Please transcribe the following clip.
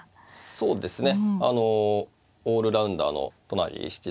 そうですね。